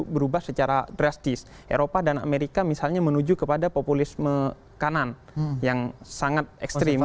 berubah secara drastis eropa dan amerika misalnya menuju kepada populisme kanan yang sangat ekstrim